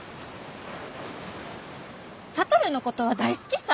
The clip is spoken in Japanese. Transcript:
智のことは大好きさ。